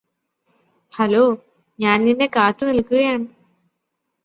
hello ഞാന് നിന്നെ കാത്തുനിൽക്കുകയാണ്